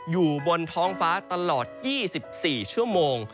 อยู่บนท้องฟ้าตลอด๒๔ชั่วโมง